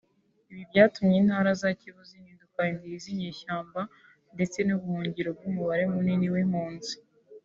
Ibi byatumye intara za Kivu zihinduka indiri z’inyeshyamba ndetse n’ubuhungiro bw’umubare munini w’impunzi